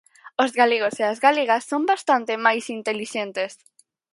¡Os galegos e as galegas son bastante máis intelixentes!